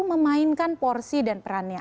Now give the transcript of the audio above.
memainkan porsi dan perannya